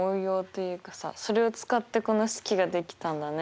それを使ってこの式ができたんだね。